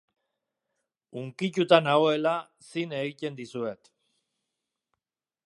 Hunkituta nagoela zin egiten dizuet.